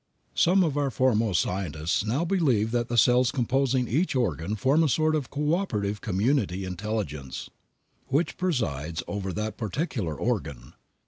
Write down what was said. Some of our foremost scientists now believe that the cells composing each organ form a sort of coöperative community intelligence which presides over that particular organ.